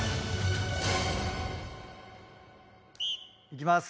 いきます。